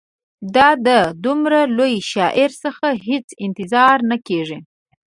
دا د دومره لوی شاعر څخه هېڅ انتظار نه کیږي.